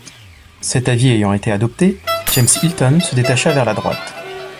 Cet avis ayant été adopté, James Hilton se détacha vers la droite.